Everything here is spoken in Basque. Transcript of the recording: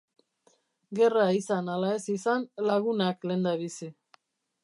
Gerra izan ala ez izan, lagunak lehendabizi...